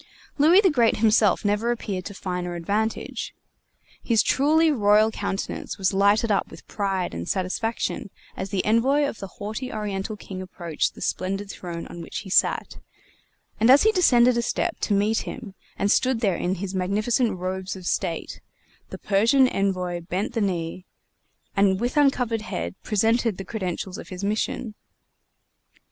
Louis the Great himself never appeared to finer advantage. His truly royal countenance was lighted up with pride and satisfaction as the Envoy of the haughty Oriental king approached the splendid throne on which he sat, and as he descended a step to meet him and stood there in his magnificent robes of state, the Persian envoy bent the knee, and with uncovered head presented the credentials of his mission.